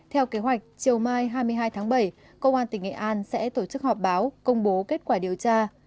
theo kế hoạch chiều mai hai mươi hai tháng bảy công an tỉnh nghệ an sẽ tổ chức họp báo công bố kết quả điều tra